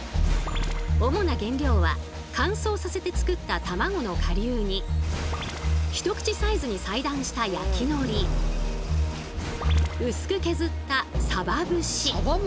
主な原料は乾燥させて作ったたまごの顆粒に一口サイズに裁断した焼きのり。薄く削ったさば節。